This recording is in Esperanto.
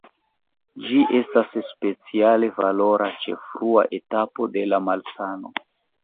Ĝi estas speciale valora ĉe frua etapo de la malsano.